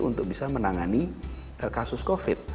untuk bisa menangani kasus covid